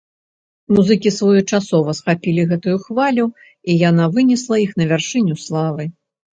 Музыкі своечасова схапілі гэтую хвалю і яна вынесла іх на вяршыню славы.